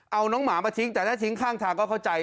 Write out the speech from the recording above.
เอาน้องหมามาทิ้งแต่ถ้าทิ้งข้างทางก็เข้าใจ